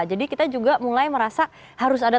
jadi kita juga mulai merasa harus ada teknologi